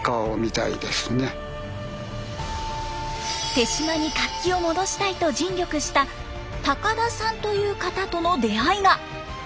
手島に活気を戻したいと尽力した高田さんという方との出会いが。